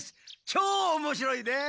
超おもしろいです！